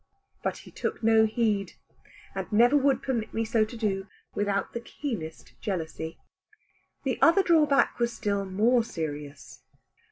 But he took no heed, and never would permit me so to do, without the keenest jealousy. The other drawback was still more serious.